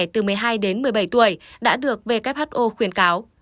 từ một mươi hai đến một mươi bảy tuổi đã được who khuyến cáo